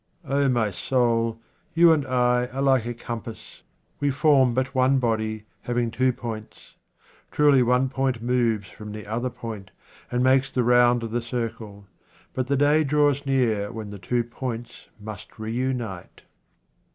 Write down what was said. O my soul, you and I are like a compass. We form but one body, having two points. Truly, one point moves from the other point, and makes the round of the circle ; but the day draws near when the two points must reunite.